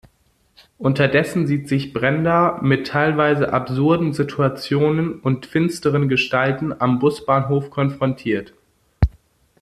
Unterdessen sieht sich Brenda mit teilweise absurden Situationen und finsteren Gestalten am Busbahnhof konfrontiert.